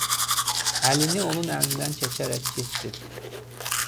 Əlini onun əlindən çəkərək getdi.